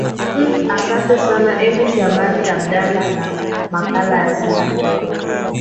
m asante sana ebi shaban abdala na makala ya siha njema